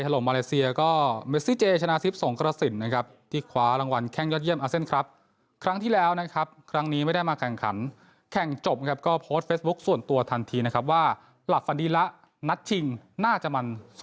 แล้วก็หวังว่าจะเป็นปีที่ดีของทีมชาติไทยอีกครั้งหนึ่ง